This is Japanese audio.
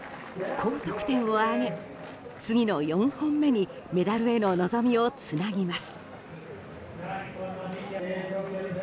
高得点を挙げ次の４本目にメダルへの望みをつなぎます。